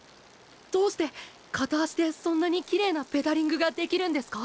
どうして片足でそんなにきれいなペダリングができるんですか？